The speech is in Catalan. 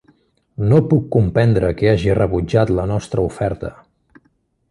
No puc comprendre que hagi rebutjat la nostra oferta.